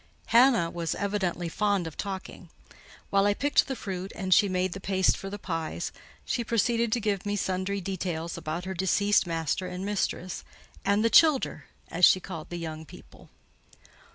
Hannah was evidently fond of talking. While I picked the fruit, and she made the paste for the pies, she proceeded to give me sundry details about her deceased master and mistress, and "the childer," as she called the young people.